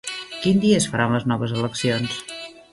Quin dia es faran les noves eleccions?